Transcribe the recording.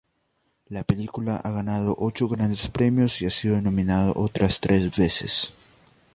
La película ha ganado ocho grandes premios y ha sido nominado otras tres veces.